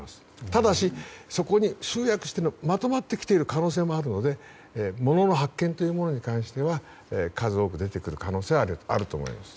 ただし、そこに集約してまとまってきている可能性もあるので物の発見というものに関しては数多く出てくる可能性があると思います。